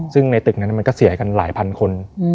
ซึ่งในตึกนั้นมันก็เสียกันหลายพันคน